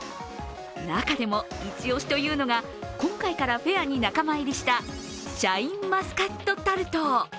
中でもイチ押しというのが今回からフェアに仲間入りしたシャインマスカットタルト。